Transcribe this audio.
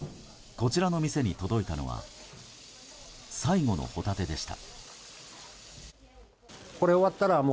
こちらの店に届いたのは最後のホタテでした。